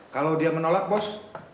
kalau dia menolak bos